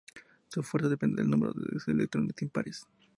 Su fuerza depende del número de electrones impares.